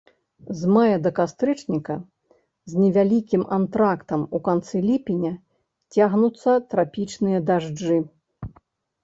З мая да кастрычніка, з невялікім антрактам у канцы ліпеня, цягнуцца трапічныя дажджы.